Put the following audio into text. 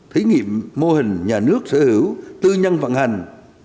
thí nghiệm mô hình nhà nước sở hữu tư nhân vận hành